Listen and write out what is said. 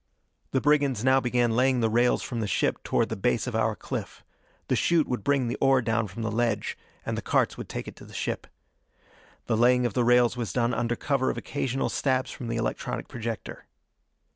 The brigands now began laying the rails from the ship toward the base of our cliff. The chute would bring the ore down from the ledge, and the carts would take it to the ship. The laying of the rails was done under cover of occasional stabs from the electronic projector.